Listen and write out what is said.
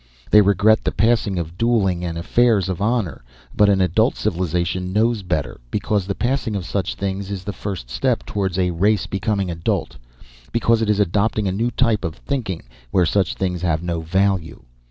They regret the passing of dueling and affairs of honor. But an adult civilization knows better because the passing of such things is the first step toward a race becoming adult, because it is adopting a new type of thinking, where such things have no value.